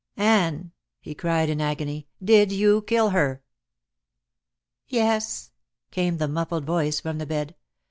"Anne," he cried in agony, "did you kill her?" "Yes," came the muffled voice from the bed.